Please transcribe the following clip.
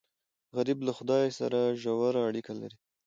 غریب له خدای سره ژور اړیکه لري